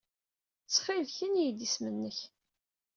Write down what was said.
Ttxil-k, ini-iyi-d isem-nnek.